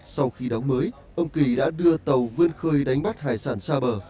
sau khi đóng mới ông kỳ đã đưa tàu vươn khơi đánh bắt hải sản xa bờ